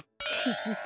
フフフフ。